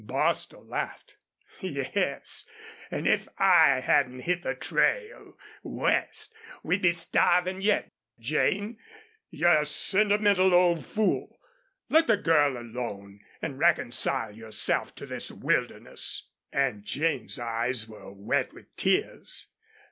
Bostil laughed. "Yes, an' if I hadn't hit the trail west we'd be starvin' yet. Jane, you're a sentimental old fool. Let the girl alone an' reconcile yourself to this wilderness." Aunt Jane's eyes were wet with tears.